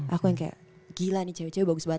aku yang kayak gila nih cewek cewek bagus banget